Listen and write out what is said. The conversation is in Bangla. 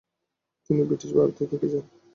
তিনি ব্রিটিশ ভারতে থেকে যান।